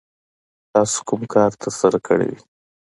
تاسو کوم کار ترسره کړی دی؟